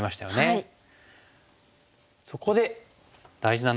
はい。